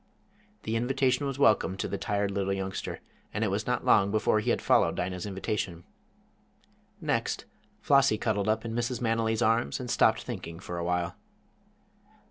The invitation was welcome to the tired little youngster, and it was not long before he had followed Dinah's invitation. Next, Flossie cuddled up in Mrs. Manily's arms and stopped thinking for a while.